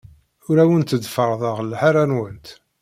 Ur awent-d-ferrḍeɣ lḥaṛa-nwent.